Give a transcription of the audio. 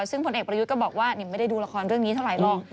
ซึ่งผลเอกประยุทธ์ก็บอกว่าไม่ได้ดูละครเรื่องนี้เท่าไหร่